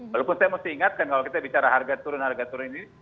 walaupun saya mesti ingatkan kalau kita bicara harga turun harga turun ini